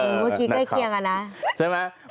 เมื่อกี้ใกล้เคียงอะนะ